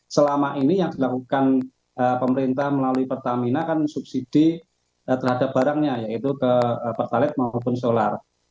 selama ini yang dilakukan pemerintah melalui pertamina kan subsidi terhadap barangnya yaitu ke pertalite maupun solar